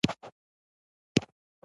منګي چاټۍ او نور هم مشهور دي.